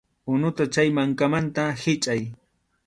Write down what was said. Unuta chay mankamanta hichʼay.